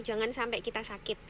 jangan sampai kita sakit